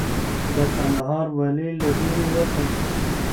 د کندهار والي له ویرې وتښتېد.